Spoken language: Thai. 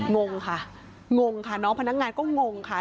งงค่ะงงค่ะน้องพนักงานก็งงค่ะ